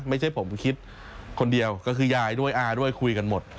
ไม่ใช่ผมคิดคนเดียวก็คือยายด้วยอาด้วยคุยกันหมด